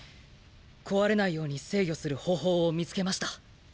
壊れないように制御する方法を見つけました。